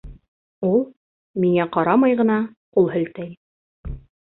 Ул, миңә ҡарамай ғына, ҡул һелтәй.